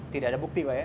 tidak ada bukti pak ya